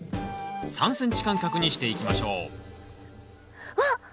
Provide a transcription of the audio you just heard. ３ｃｍ間隔にしていきましょうわっ！